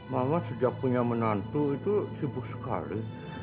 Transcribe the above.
mama sejak punya menantu itu sibuk sekali